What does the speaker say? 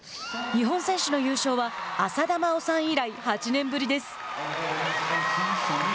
日本選手の優勝は浅田真央さん以来、８年ぶりです。